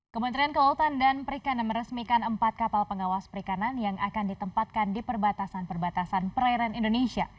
kementerian kelautan dan perikanan meresmikan empat kapal pengawas perikanan yang akan ditempatkan di perbatasan perbatasan perairan indonesia